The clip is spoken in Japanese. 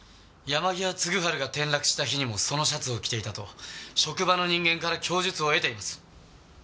山際嗣治が転落した日にもそのシャツを着ていたと職場の人間から供述を得ています。